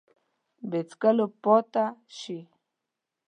بې څکلو پاته شي